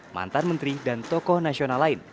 mantan menteri dan tokoh nasional lain